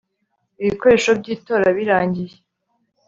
ibikoresho by itora birangiye